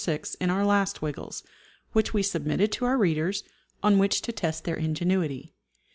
6 in our last Wiggles, which we submitted to our readers, on which to test their ingenuity.